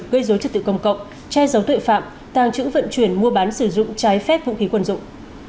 gây dối trật tự công cộng che giấu tội phạm tàng trữ vận chuyển mua bán sử dụng trái phép vũ khí quần dụng